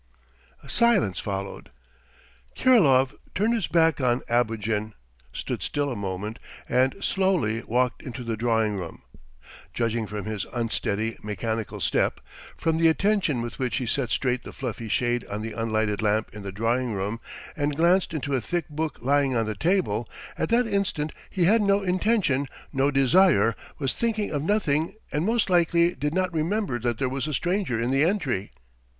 A silence followed. Kirilov turned his back on Abogin, stood still a moment, and slowly walked into the drawing room. Judging from his unsteady, mechanical step, from the attention with which he set straight the fluffy shade on the unlighted lamp in the drawing room and glanced into a thick book lying on the table, at that instant he had no intention, no desire, was thinking of nothing and most likely did not remember that there was a stranger in the entry.